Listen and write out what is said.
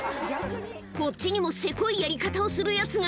こっちにもせこいやり方をするやつが。